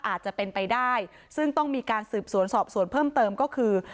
อาจจะเป็นไปได้ซึ่งต้องมีการสืบสวนสอบสวนเพิ่มเติมก็คือ